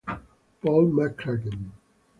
Paul McCracken